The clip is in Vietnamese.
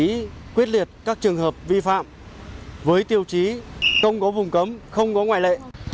xử lý quyết liệt các trường hợp vi phạm với tiêu chí không có vùng cấm không có ngoại lệ